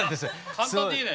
簡単でいいね。